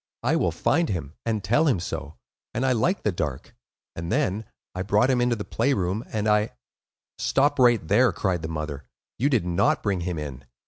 I will find him, and tell him so; and I like the Dark.' And then—I brought him into the play room, and I—" "Stop right there!" cried the mother. "You did not bring him in.